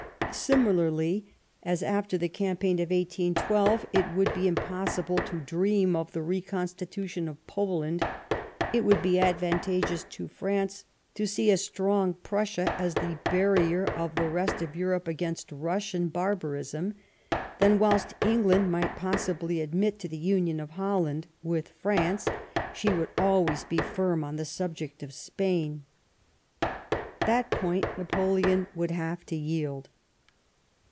Similarly, as, after the campaign of 1812, it would be impossible to dream of the reconstitution of Poland, it would be advantageous to France to see a strong Prussia, as the barrier of the rest of Europe against Russian barbarism : then, whilst England might possibly admit the union of Holland with France, she would always be firm on the subject of Spain. That point Napoleon would have to yield.